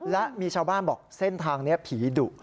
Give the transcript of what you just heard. และมีชาวบ้านบอกเส้นทางนี้ผีดุ